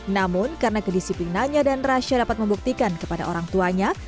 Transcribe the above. namun karena kedisiplinannya dan rasha dapat membuktikan kepada orang tuanya